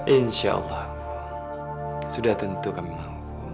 insya allah ibu sudah tentu kami mau